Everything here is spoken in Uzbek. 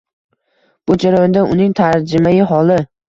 Bu jarayonda uning tarjimai holi